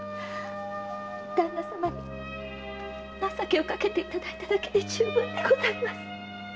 旦那様に情けをかけていただいただけで充分でございます。